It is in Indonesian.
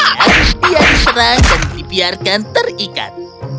harus dia diserang dan dibiarkan terikat